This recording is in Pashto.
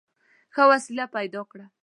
ښه وسیله پیدا کړه.